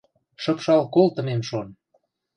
Шыпшал колтымем шон!